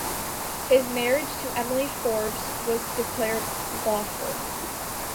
His marriage to Emily Forbes was declared lawful.